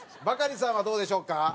バカリさんはどうでしょうか？